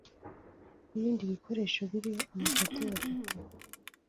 n’ibindi bikoresho biriho amafoto ya Papa